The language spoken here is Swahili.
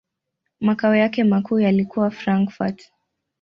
Makao yake makuu yalikuwa Frankfurt.